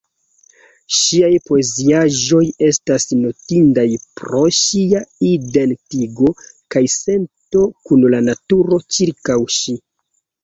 Ŝiaj poeziaĵoj estas notindaj pro ŝia identigo kaj sento kun la naturo ĉirkaŭ ŝi.